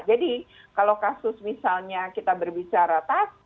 jadi kalau kasus misalnya kita berbicara